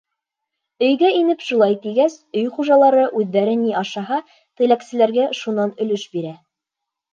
Өйгә инеп, шулай тигәс, өй хужалары, үҙҙәре ни ашаһа, теләкселәргә лә шунан өлөш бирә.